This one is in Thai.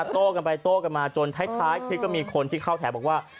โต้กันไปโต้กันมาจนท้ายคลิปก็มีคนที่เข้าแถวบอกว่า